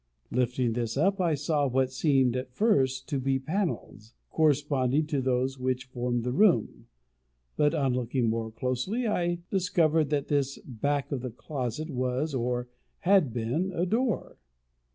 Lifting this up, I saw what seemed at first to be panels, corresponding to those which formed the room; but on looking more closely, I discovered that this back of the closet was, or had been, a door.